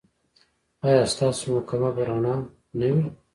ایا ستاسو محکمه به رڼه نه وي؟